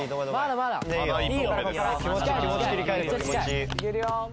いけるよ。